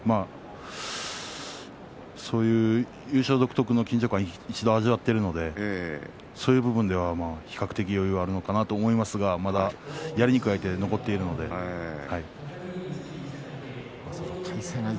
優勝独特の緊張感を一度味わっているのでそういう部分では比較的余裕があるのかなと思いますがまだやりにくい相手が残っているので、はい。